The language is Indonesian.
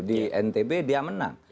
di ntb dia menang